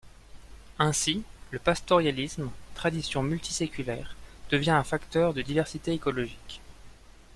Ainsi le pastoralisme, tradition multiséculaire, devient un facteur de diversité écologique.